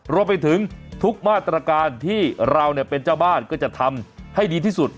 รวมไปถึงทุกมาตรการที่เราเป็นเจ้าบ้านก็จะทำให้ดีที่สุด